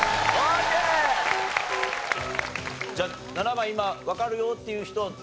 じゃあ７番今わかるよっていう人。